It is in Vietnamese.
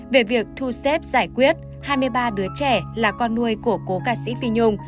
về việc thu xếp giải quyết hai mươi ba đứa trẻ là con nuôi của cố ca sĩ phi nhung